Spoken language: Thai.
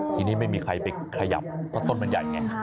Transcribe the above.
ทีนี้ไม่มีใครไปขยับเพราะต้นมันใหญ่ไง